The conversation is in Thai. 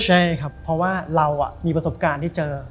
ใช่ครับเพราะว่าเรามีประสบการณ์ที่เจอ